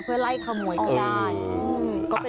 เพื่อไล่ขโมยก็ได้